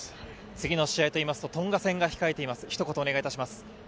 次の試合といいますとトンガ戦が控えています、ひと言お願いします。